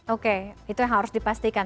oke itu yang harus dipastikan